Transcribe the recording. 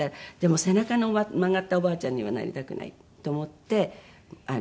背中の曲がったおばあちゃんにはなりたくないと思って。